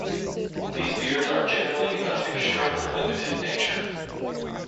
These beers are generally of an extremely limited nature.